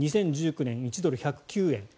２０１９年、１ドル＝１０９円